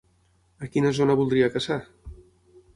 A quina zona voldria caçar?